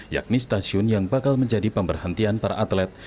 yakni stasiun yang bakal menjadi pemberhentian para atlet